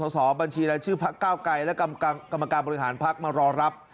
สอบบัญชีรายชื่อพักเก้าไกรและกรรมการบริหารพักมารอรับ